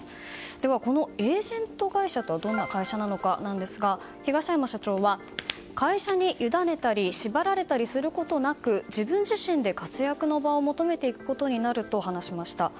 では、このエージェント会社とはどのような会社なのかですが東山社長は会社にゆだねたり縛られたりすることなく自分自身で活躍の場を求めていくことになると話しました。